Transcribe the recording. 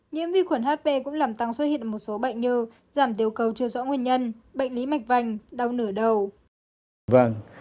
nhiễm vi khuẩn hp cũng làm tăng xuất hiện một số bệnh như giảm tiêu cầu chưa rõ nguyên nhân bệnh lý mạch vành đau nửa đầu